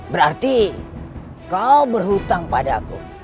berarti kau berhutang padaku